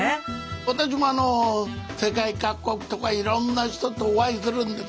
私もあの世界各国とかいろんな人とお会いするんです